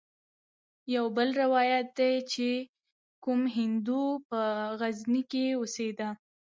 يو بل روايت ديه چې کوم هندو په غزني کښې اوسېده.